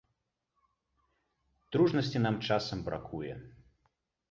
Дружнасці нам часам бракуе.